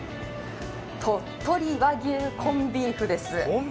鳥取和牛コンビーフです。